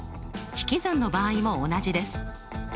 引き算の場合も同じです。